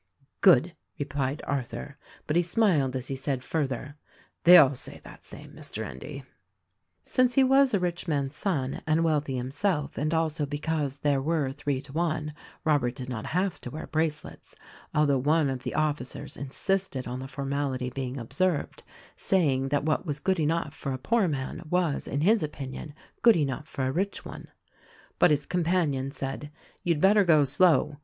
"Good," replied Arthur, but he smiled as he said fur ther, "They all say that same, Mr. Endy." U3 134 THE RECORDING ANGEL Since he was a rich man's son — and wealthy himself — and also because there were three to one, Robert did not have to wear bracelets, although one of the officers insisted on the formality being observed, saying that what was good enough for a poor man was, in his opinion, good enough for a rich one. But his companion said. "You'd better go slow.